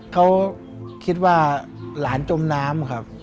เขาคิดว่าหลานจบน้ำ